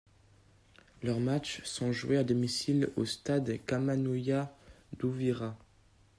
Leurs matchs sont joués à domicile au Stade Kamanyola d'Uvira.